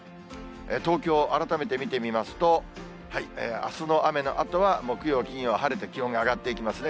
東京、改めて見てみますと、あすの雨のあとは、木曜、金曜、晴れて気温が上がっていきますね。